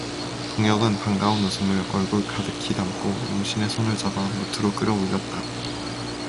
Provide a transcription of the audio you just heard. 동혁은 반가운 웃음을 얼굴 가득히 담고 영신의 손을 잡아 뭍으로 끌어올렸다.